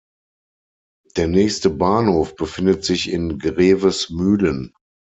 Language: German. Der nächste Bahnhof befindet sich in Grevesmühlen.